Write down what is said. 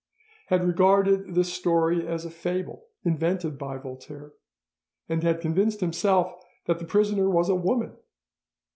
4to, 1785), had regarded this story as a fable invented by Voltaire, and had convinced himself that the prisoner was a woman.